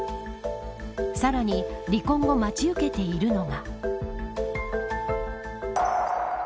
さらに離婚後待ち受けているのが。